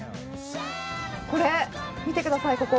これ、見てください、ここ。